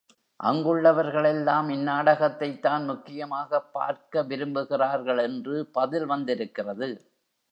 அங்குள்ளவர்களெல்லாம் இந்நாடகத்தைத் தான் முக்கியமாகப் பார்க்க விரும்புகிறார்கள் என்று பதில் வந்திருக்கிறது.